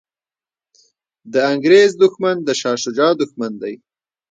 د انګریز دښمن د شاه شجاع دښمن دی.